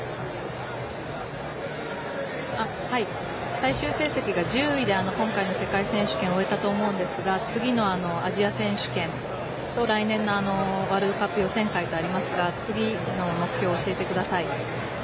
最終成績が１０位で今回の世界選手権を終えたと思うんですけど次のアジア選手権と来年のワールドカップ予選会とありますが次の目標を教えてください。